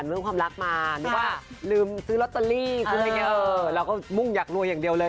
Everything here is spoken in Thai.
นึกว่าลืมซื้อล็อตเตอรี่ซื้ออะไรเงี้ยเราก็มุ่งอยากรวยอย่างเดียวเลย